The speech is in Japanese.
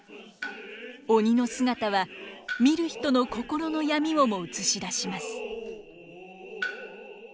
鬼の姿は見る人の心の闇をも映し出します。